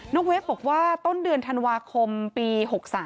เวฟบอกว่าต้นเดือนธันวาคมปี๖๓